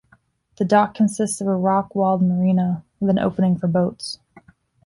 The dock consists of a rock-walled marina with an opening for boats.